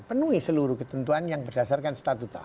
penuhi seluruh ketentuan yang berdasarkan statuta